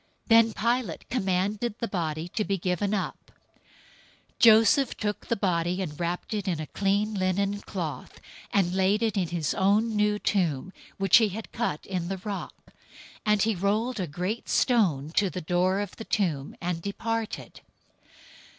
Then Pilate commanded the body to be given up. 027:059 Joseph took the body, and wrapped it in a clean linen cloth, 027:060 and laid it in his own new tomb, which he had hewn out in the rock, and he rolled a great stone to the door of the tomb, and departed.